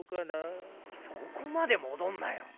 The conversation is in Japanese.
そこまで戻んなよ！